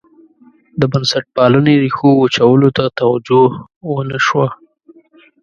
د بنسټپالنې ریښو وچولو ته توجه ونه شوه.